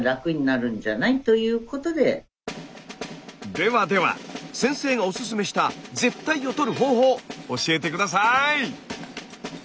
ではでは先生がおすすめした舌苔を取る方法教えて下さい！